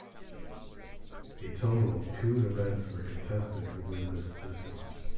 A total of two events were contested over this distance.